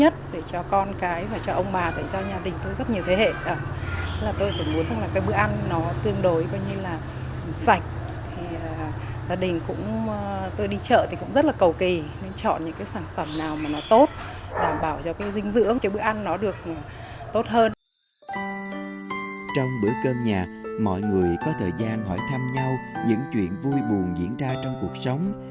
trong bữa cơm nhà mọi người có thời gian hỏi thăm nhau những chuyện vui buồn diễn ra trong cuộc sống